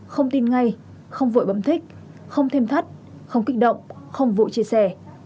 không tin ngay không vội bấm thích không thêm thắt không kích động không vội chia sẻ